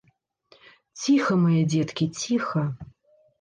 Ціха, мае дзеткі, ціха.